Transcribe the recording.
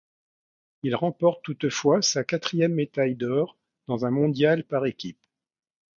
Il remporte toutefois sa quatrième médaille d'or dans un mondial par équipe.